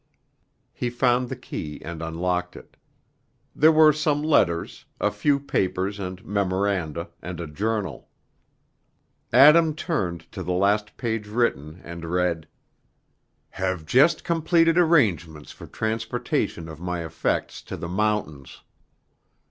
He found the key and unlocked it. There were some letters, a few papers and memoranda, and a journal. Adam turned to the last page written, and read: "Have just completed arrangements for transportation of my effects to the mountains.